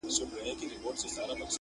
پخوا به سترګه سوځېدله د بابا له ږیري!!